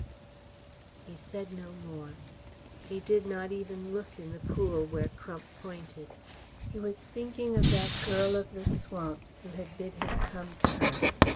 He said no more. He did not even look in the pool where Crump pointed. He was thinking of that girl of the swamps who had bid him come to her.